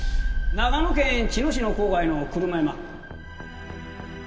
長野県茅野市の郊外の車山。